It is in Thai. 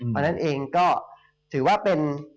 เพราะฉะนั้นเองก็ถือว่าเป็น